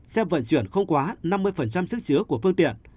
xe vận chuyển không quá năm mươi sức chứa của phương tiện